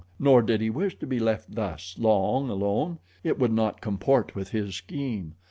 Nor did he wish to be left thus long alone. It would not comport with his scheme.